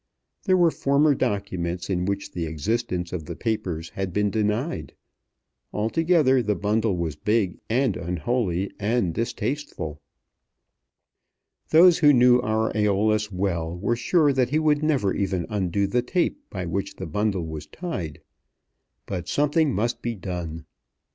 There were former documents in which the existence of the papers had been denied. Altogether the bundle was big and unholy and distasteful. Those who knew our Æolus well were sure that he would never even undo the tape by which the bundle was tied. But something must be done.